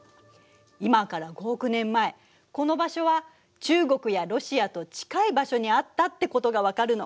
今から５億年前この場所は中国やロシアと近い場所にあったってことが分かるの。